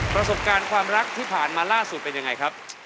ประสบการณ์ความรักที่ผ่านมาล่าสุดเป็นยังไงครับ